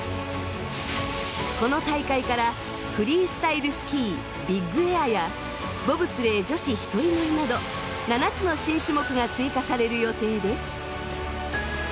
この大会からフリースタイルスキービッグエアやボブスレー女子１人乗りなど７つの新種目が追加される予定です。